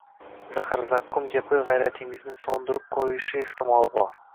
zahar-zaqqum gapi g‘ayratingizni so‘ndirib qo‘yishi ehtimoli bor.